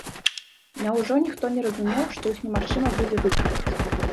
Няўжо ніхто не разумеў, што іх немагчыма будзе выканаць?